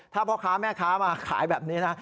ถ้าพ่อค้าแม่ค้ามาขายแบบนี้นะ